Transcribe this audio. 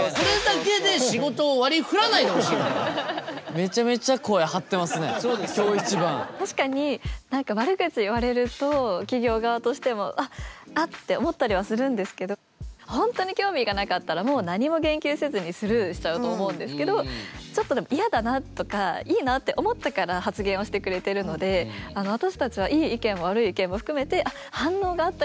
めちゃめちゃ確かに何か悪口言われると企業側としても「うわっあっ」て思ったりはするんですけど本当に興味がなかったらもう何も言及せずにスルーしちゃうと思うんですけどちょっとでも「嫌だな」とか「いいな」って思ってから発言をしてくれてるので私たちはいい意見も悪い意見も含めて「反応があった！